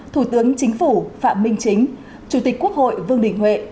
thủ tướng chính phủ phạm minh chính chủ tịch quốc hội vương đình huệ